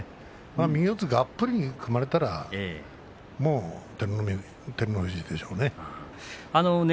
右四つがっぷりに組まれたら照ノ富士でしょうね。